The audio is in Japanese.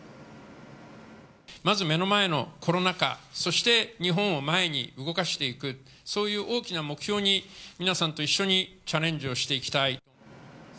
まず目の前のコロナ禍、そして日本を前に動かしていく、そういう大きな目標に皆さんと一緒にチャレンジをしていきたい。